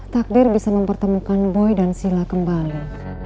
takdir bisa mempertemukan boy dan sila kembali